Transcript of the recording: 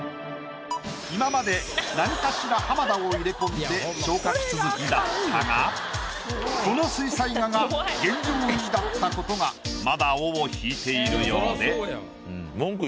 今まで何かしら浜田を入れ込んで昇格続きだったがこの水彩画が現状維持だったことがまだ尾を引いている様で。